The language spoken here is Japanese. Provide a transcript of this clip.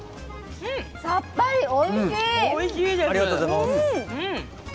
さっぱりおいしい。